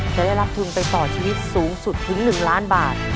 จะได้รับทุนไปต่อชีวิตสูงสุดถึง๑ล้านบาท